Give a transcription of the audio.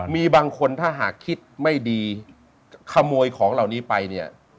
มีบางคนถ้าหากคิดไม่ดีขโมยของเหล่านี้ไปเนี่ย